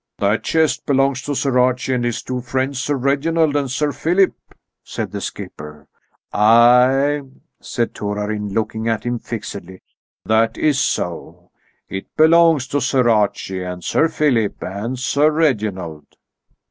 "That chest belongs to Sir Archie and his two friends, Sir Reginald and Sir Philip," said the skipper. "Ay," said Torarin, looking at him fixedly; "that is so. It belongs to Sir Archie and Sir Philip and Sir Reginald."